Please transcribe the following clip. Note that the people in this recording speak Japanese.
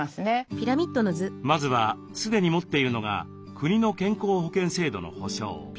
まずは既に持っているのが国の健康保険制度の保障。